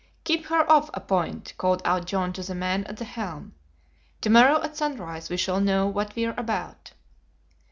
"Keep her off a point," called out John to the man at the helm. "To morrow at sunrise we shall know what we're about."